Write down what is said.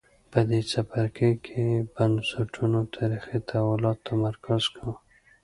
په دې څپرکي کې بنسټونو تاریخي تحولاتو تمرکز کوو.